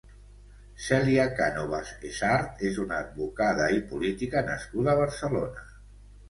Celia Cánovas Essard és una advocada i política nascuda a Barcelona.